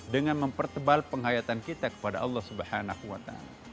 dengan mempertebal penghayatan kita kepada allah swt